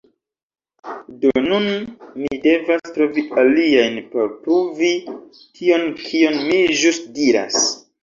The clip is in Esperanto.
Do nun mi devas trovi aliajn por pruvi tion kion mi ĵus diras.